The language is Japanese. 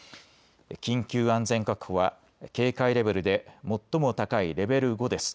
緊急安全確保は警戒レベルで最も高いレベル５です。